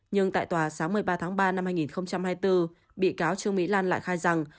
nhưng tại tòa sáng một mươi ba tháng ba năm hai nghìn hai mươi bốn bị cáo trương mỹ lan lại khai rằng